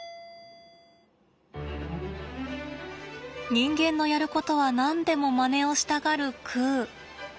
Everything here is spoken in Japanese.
人間のやることは何でもまねをしたがるくう。